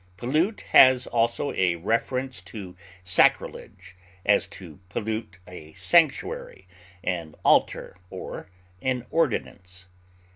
Pollute has also a reference to sacrilege; as, to pollute a sanctuary, an altar, or an ordinance.